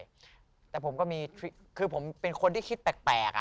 ผมเชื่อว่าคือผมเป็นคนที่คิดแปลก